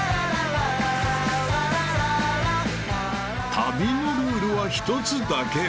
［旅のルールは一つだけ］